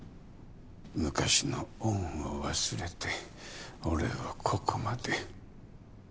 昔の恩を忘れて俺をここまで。